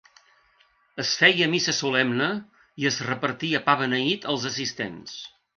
Es feia missa solemne i es repartia pa beneït als assistents.